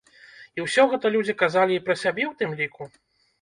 І ўсё гэта людзі казалі і пра сябе ў тым ліку?